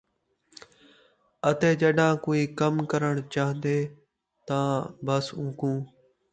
اَتے ڄَݙاں کوئی کم کرن چَہندے، تاں بَس اُوکوں